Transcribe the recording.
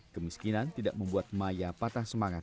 kemiskinan tidak membuat maya patah semangat